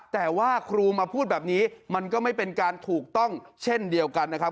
แต่ว่าครูมาพูดแบบนี้มันก็ไม่เป็นการถูกต้องเช่นเดียวกันนะครับ